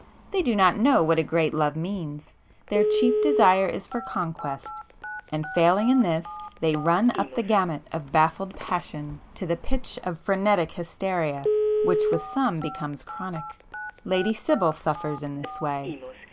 They do not know what a great love means,—their chief desire is for conquest,—and failing in this, they run up the gamut of baffled passion to the pitch of frenetic hysteria, which with some becomes chronic. Lady Sibyl suffers in this way.